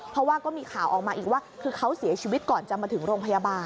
เพราะว่าก็มีข่าวออกมาอีกว่าคือเขาเสียชีวิตก่อนจะมาถึงโรงพยาบาล